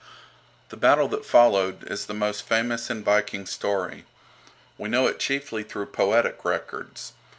The battle that followed is the most famous in Viking story. We know it chiefly through poetic records.